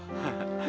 siap ma'am bro